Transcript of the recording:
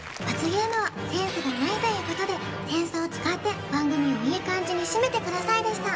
ゲームはセンスがないということで扇子を使って番組をイイ感じに締めてくださいでした